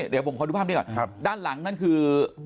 เดี๋ยวผมขอดูภาพนี้ก่อนด้านหลังนั่นคือ